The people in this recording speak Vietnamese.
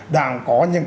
đang có những